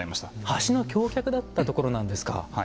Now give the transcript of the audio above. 橋の橋脚だったところなんですか。